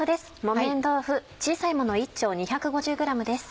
木綿豆腐小さいもの１丁２５０ｇです。